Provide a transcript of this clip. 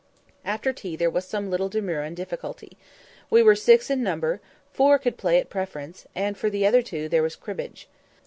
After tea there was some little demur and difficulty. We were six in number; four could play at Preference, and for the other two there was Cribbage.